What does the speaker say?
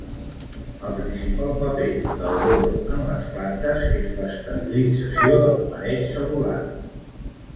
El principal paper del bor en les plantes és l'estabilització de la paret cel·lular.